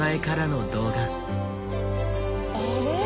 あれ？